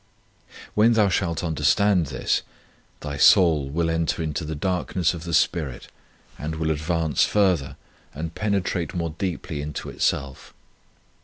When thou shalt understand this, thy soul will enter into the darkness of the spirit, and will advance further and penetrate 47 On Union with God more deeply into itself.